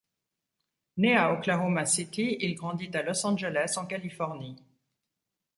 Né à Oklahoma City, il grandit à Los Angeles en Californie.